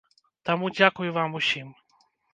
Таму дзякуй вам усім.